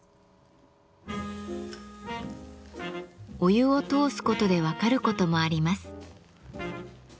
お湯を通すことで分かることもあります。